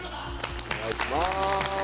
お願いします。